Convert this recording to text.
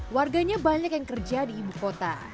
warganya banyak yang kerja di ibu kota